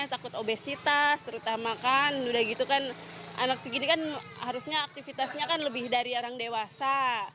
takut obesitas terutama kan udah gitu kan anak segini kan harusnya aktivitasnya kan lebih dari orang dewasa